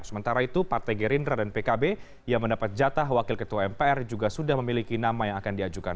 sementara itu partai gerindra dan pkb yang mendapat jatah wakil ketua mpr juga sudah memiliki nama yang akan diajukan